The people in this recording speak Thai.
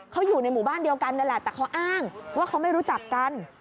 เขาอยู่ในหมู่บ้านเดียวกันนั่นแหละแต่เขาอ้างว่าเขาไม่รู้จักกัน